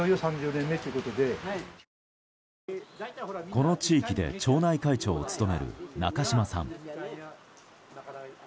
この地域で町内会長を務める中島さん。